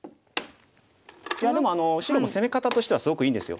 いやでも白も攻め方としてはすごくいいんですよ。